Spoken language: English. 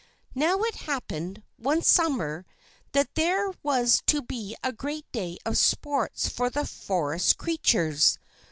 Now, it happened, one Summer, that there was to be a great day of sports for the forest creatures.